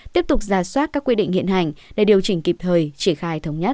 tiếp tục ra soát các quy định hiện hành để điều chỉnh kịp thời triển khai thống nhất